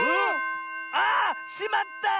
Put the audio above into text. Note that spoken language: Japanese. ああっしまった！